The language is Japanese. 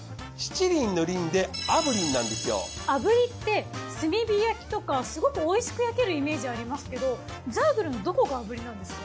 炙りって炭火焼とかすごくおいしく焼けるイメージありますけどザイグルのどこが炙りなんですか？